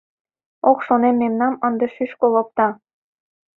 Ох, шонем, мемнам ынде шӱшкыл опта!